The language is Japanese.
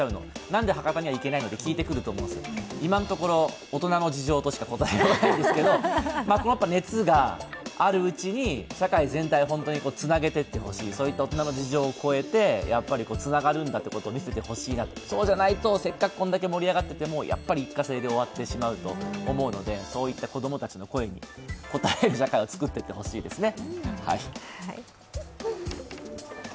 なんで博多には行けないの？と聞いてくると思うんですが今のところ、大人の事情としか答えられないんですけど、熱があるうちに、社会全体をつなげていってほしいそういった大人の事情を超えてつながることを見せてほしいなと、そうじゃないとせっかくこれだけ盛り上がっていてもやっぱり一過性で終わってしまうと思うのでそういった子供たちの声に応える社会を作っていってほしいですね。